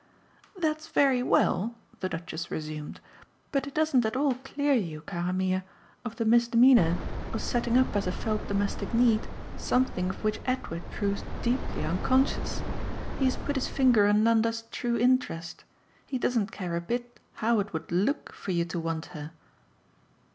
"That's very well," the Duchess resumed, "but it doesn't at all clear you, cara mia, of the misdemeanour of setting up as a felt domestic need something of which Edward proves deeply unconscious. He has put his finger on Nanda's true interest. He doesn't care a bit how it would LOOK for you to want her."